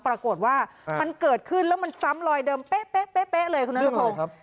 ปรากฏว่ามันเกิดขึ้นแล้วมันซ้ำลอยเดิมเป๊ะเลยคุณนัทพงศ์